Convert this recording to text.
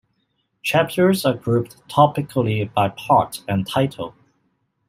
Chapters are grouped topically by "part" and "title".